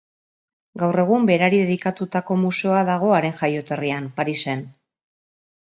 Gaur egun berari dedikatutako museoa dago haren jaioterrian, Parisen.